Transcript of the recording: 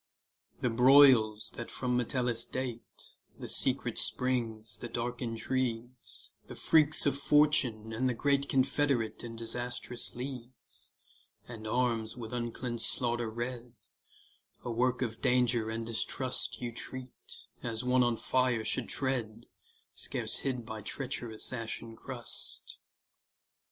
The broils that from Metellus date, The secret springs, the dark intrigues, The freaks of Fortune, and the great Confederate in disastrous leagues, And arms with uncleansed slaughter red, A work of danger and distrust, You treat, as one on fire should tread, Scarce hid by treacherous ashen crust.